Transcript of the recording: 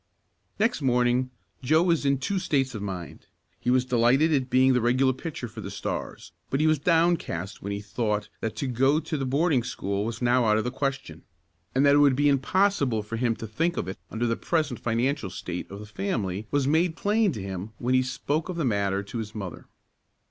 Next morning, Joe was in two states of mind. He was delighted at being the regular pitcher for the Stars, but he was downcast when he thought that to go to the boarding school was now out of the question. And that it would be impossible for him to think of it under the present financial state of the family was made plain to him when he spoke of the matter to his mother.